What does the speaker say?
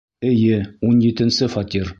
Эйе, ун етенсе фатир.